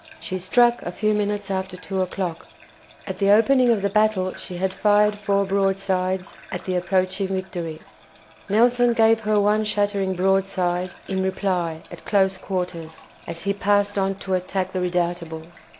She struck a few minutes after two o'clock. At the opening of the battle she had fired four broadsides at the approaching "Victory." Nelson gave her one shattering broadside in reply at close quarters, as he passed on to attack the "Redoutable."